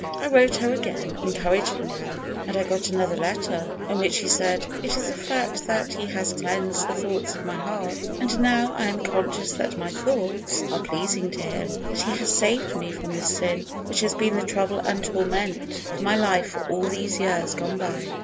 I wrote her again, encouraging her, and I got another letter, in which she said, "It is a fact that He has cleansed the thoughts of my heart, and now I am conscious that my thoughts are pleasing to Him, that He has saved me from this sin which has been the trouble and torment of my life for all these years gone by."